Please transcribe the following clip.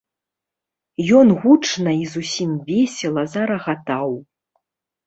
Ён гучна і зусім весела зарагатаў.